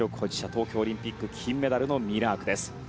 東京オリンピック金メダルのミラークです。